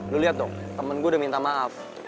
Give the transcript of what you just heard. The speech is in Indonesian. lo liat dong temen gue udah minta maaf